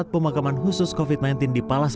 pemakaman covid sembilan belas di palaung